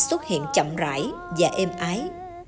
và xuất hiện chậm rãi và êm ái